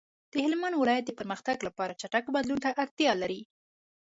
د هلمند ولایت د پرمختګ لپاره چټک بدلون ته اړتیا لري.